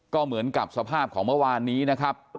ก็เหมือนกับสภาพของเมื่อวานนี้นะครับ